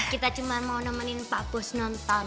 kita cuma mau nemenin pak pus nonton